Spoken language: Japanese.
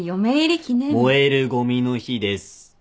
燃えるごみの日です。